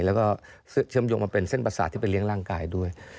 แล้วก็เชื่อมโยงมาเป็นเส้นประสาทที่ไปเลี้ยงร่างกายด้วย